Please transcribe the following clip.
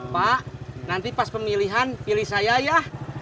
pak nanti pas pemilihan pilih saya ya